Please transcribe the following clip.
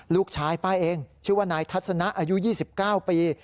ลูกชายป้าเองชื่อว่านายทัศนะอายุ๒๙ปี